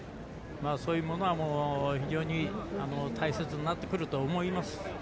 そういうものは非常に大切になってくると思います。